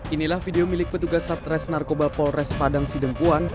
inilah video milik petugas satres narkoba polres padang sidempuan